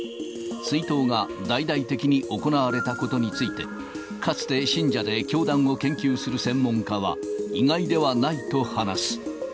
追悼が大々的に行われたことについて、かつて信者で教団を研究する専門家は、意外ではないと話す。